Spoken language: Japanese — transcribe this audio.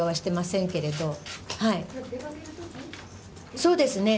そうですね。